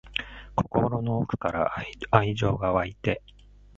心の奥から愛情が湧いて